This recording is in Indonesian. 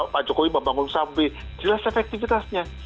pak jokowi membangun sampe jelas efektifitasnya